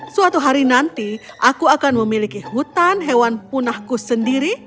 suatu hari nanti aku akan memiliki hutan hewan punahku sendiri